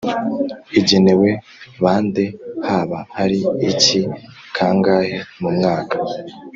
igenewe ba nde, haba hari iki?, kangahe mu mwaka?,